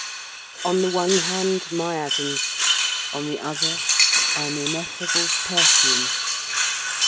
On the one hand, miasms; on the other, an ineffable perfume.